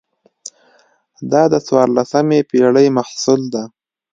دا د څوارلسمې پېړۍ محصول ده.